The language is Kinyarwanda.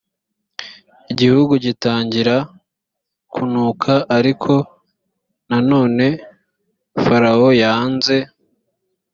igihugu gitangira kunuka ariko nanone farawo yanze